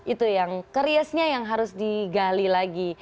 itu yang kriesnya yang harus digali lagi